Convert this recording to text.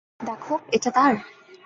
দেখো এটা তার?